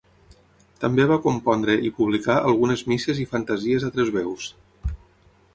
També va compondre i publicà algunes misses i fantasies a tres veus.